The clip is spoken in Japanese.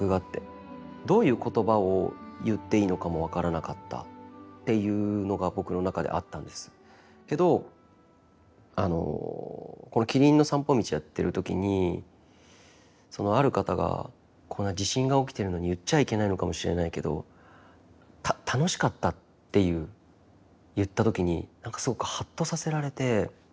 どういう言葉を言っていいのかも分からなかったっていうのが僕の中であったんですけどあのこの「キリンの散歩道」やってる時にある方がこんな地震が起きてるのに言っちゃいけないのかもしれないけど楽しかったっていう言った時に何かすごくハッとさせられて。